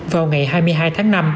vào ngày hai mươi hai tháng năm